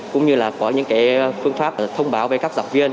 cũng như là có những phương pháp thông báo với các giảng viên